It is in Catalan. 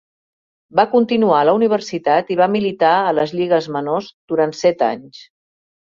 Va continuar a la universitat i va militar a les lligues menors durant set anys.